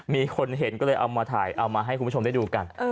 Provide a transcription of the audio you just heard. มีคนเห็นก็เลยเอามาถ่ายเอามาให้คุณผู้ชมได้ดูกัน